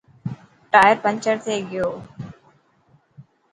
ٽائر پنچر ٿي گيو.